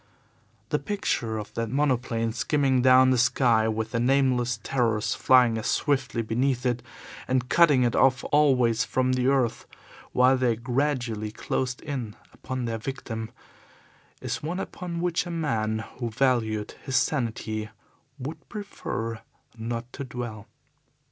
The picture of that monoplane skimming down the sky, with the nameless terrors flying as swiftly beneath it and cutting it off always from the earth while they gradually closed in upon their victim, is one upon which a man who valued his sanity would prefer not to dwell.